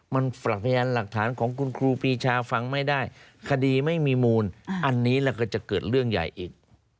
มันฝักพยานหลักฐานของคุณครูปีชาฟังไม่ได้คดีไม่มีมูลอันนี้แล้วก็จะเกิดเรื่องใหญ่อีก